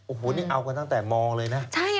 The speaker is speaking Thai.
โอ้โหนี่เอากันตั้งแต่มองเลยนะ